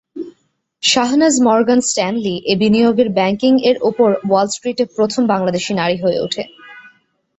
Shahnaz Morgan Stanley এ বিনিয়োগের banking এর পরে ওয়াল স্ট্রিটে প্রথম বাংলাদেশি নারী হয়ে ওঠে।